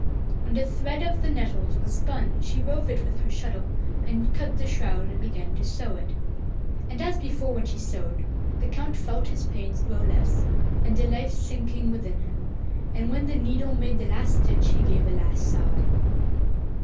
When the thread of the nettles was spun she wove it with her shuttle, and then cut the shroud and began to sew it. And as before, when she sewed the Count felt his pains grow less, and the life sinking within him, and when the needle made the last stitch he gave his last sigh.